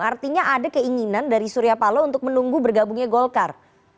artinya ada keinginan dari surya paloh untuk menunggu bergabungnya golkar